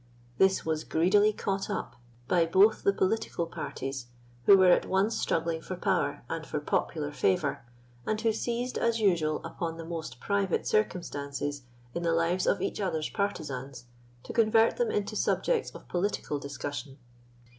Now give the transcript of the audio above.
This was greedily caught up by both the political parties, who were at once struggling for power and for popular favour, and who seized, as usual, upon the most private circumstances in the lives of each other's partisans to convert them into subjects of political discussion.